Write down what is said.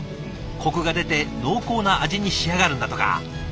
コクが出て濃厚な味に仕上がるんだとか。